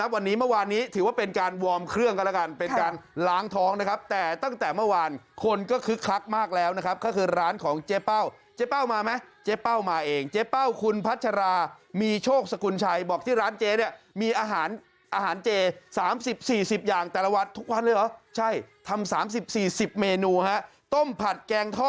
วันนี้เมื่อวานนี้ถือว่าเป็นการวอร์มเครื่องกันแล้วกันเป็นการล้างท้องนะครับแต่ตั้งแต่เมื่อวานคนก็คึกคักมากแล้วนะครับก็คือร้านของเจ๊เป้าเจ๊เป้ามาไหมเจ๊เป้ามาเองเจ๊เป้าคุณพัชรามีโชคสกุลชัยบอกที่ร้านเจ๊เนี่ยมีอาหารอาหารเจ๓๐๔๐อย่างแต่ละวัดทุกวันเลยเหรอใช่ทำ๓๐๔๐เมนูฮะต้มผัดแกงท่อ